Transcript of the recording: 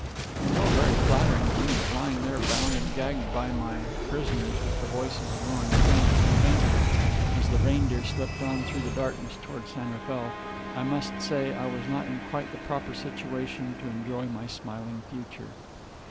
It was all very flattering to me, but lying there, bound and gagged by my own prisoners, with the voices growing faint and fainter as the Reindeer slipped on through the darkness toward San Rafael, I must say I was not in quite the proper situation to enjoy my smiling future.